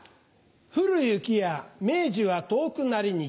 降る雪や明治は遠くなりにけり。